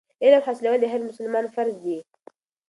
علم حاصلول د هر مسلمان فرض دی.